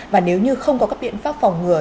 và nếu như không có các biện pháp phòng ngừa